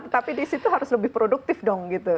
tapi di situ harus lebih produktif dong